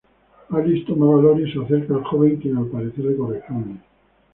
Alice toma valor, y se acerca al joven quien al parecer le corresponde.